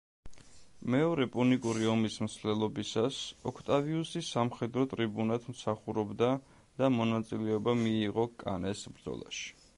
მეორე პუნიკური ომის მსვლელობისას, ოქტავიუსი სამხედრო ტრიბუნად მსახურობდა და მონაწილეობა მიიღო კანეს ბრძოლაში.